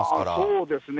そうですね。